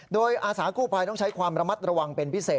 โดยอาสากู้ภัยต้องใช้ความระมัดระวังเป็นพิเศษ